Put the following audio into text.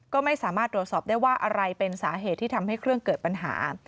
ก็ไม่สามารถตรวจสอบได้ว่าอะไรเป็นสาเหตุที่ทำให้เครื่องเกิดปัญหา